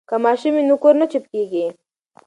که ماشوم وي نو کور نه چوپ کیږي.